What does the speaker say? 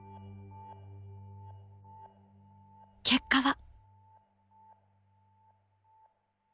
結果は？